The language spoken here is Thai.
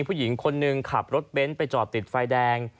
ผู้หญิงคนหนึ่งขับรถเบ้นไปจอดติดไฟแดง